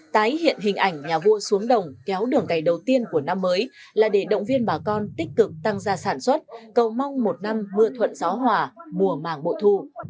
tái hiện hình ảnh nhà vua xuống đồng kéo đường cày đầu tiên của năm mới là để động viên bà con tích cực tăng ra sản xuất cầu mong một năm mưa thuận gió hòa mùa màng bội thu